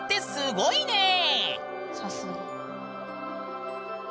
すごいな。